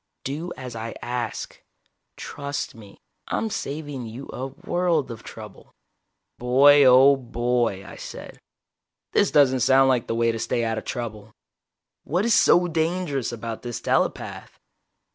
Do as I ask. Trust me. I'm saving you a world of trouble." "Boy, oh boy!" I said. "This doesn't sound like the way to stay out of trouble. What is so dangerous about this telepath?"